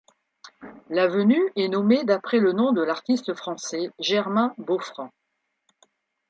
L'avenue est nommée d'après le nom de l'artiste français Germain Boffrand.